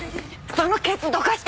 そのケツどかして！